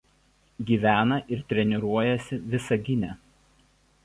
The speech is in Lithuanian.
Gyvena ir treniruojasi Visagine.